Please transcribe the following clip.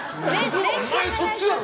お前そっちだろ！